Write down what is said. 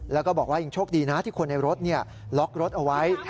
แล้วก็บอกว่ายังโชคดีนะที่คนในรถล็อกรถเอาไว้